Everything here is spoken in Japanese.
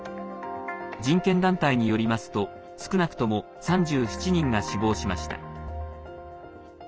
人権団体によりますと少なくとも３７人が死亡しました。